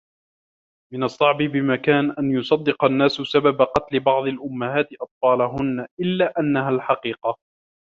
من الصعب بمكان أن يصدّق الناس سبب قتل بعض الأمهات أطفالهن، إلا أنها الحقيقة.